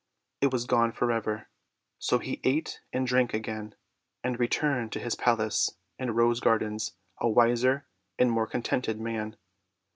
It was gone for ever. So he ate and drank again, and returned to his palace and Rose Gardens a wiser and more con tented man.